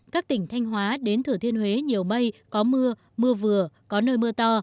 các tỉnh thanh hóa đến thử thiên huế nhiều mây có mưa mưa vừa có nơi mưa to